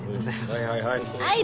はいはいはい。